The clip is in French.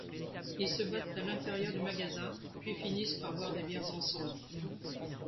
Ils se battent à l'intérieur du magasin puis finissent par boire des bières ensemble.